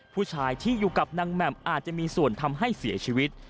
ผู้ชายที่อยู่กับนางแหม่มอาจจะมีส่วนทำให้เสียชีวิต